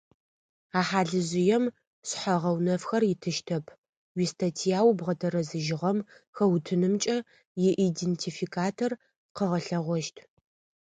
А хьалыжъыем шъхьэ-гъэунэфхэр итыщтэп, уистатьяу бгъэтэрэзыжьыгъэм хэутынымкӏэ иидентификатор къыгъэлъэгъощт.